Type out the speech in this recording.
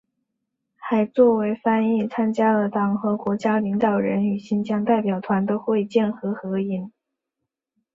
还作为翻译参加了党和国家领导人与新疆代表团的会见和合影。